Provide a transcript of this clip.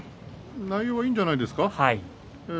内容はいいんじゃないですか。